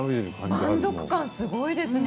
満足感すごいですね。